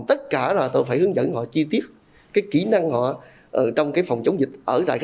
tất cả là tôi phải hướng dẫn họ chi tiết cái kỹ năng họ trong cái phòng chống dịch